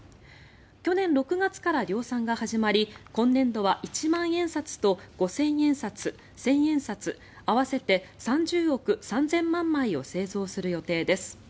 去年６月から量産が始まり今年度は一万円札と五千円札、千円札合わせて３０億３０００万枚を製造する予定です。